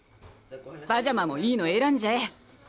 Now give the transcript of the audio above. パジャマもいいの選んじゃえ。